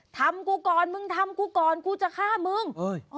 ทำกูก่อนมึงทำกูก่อนกูจะฆ่ามึง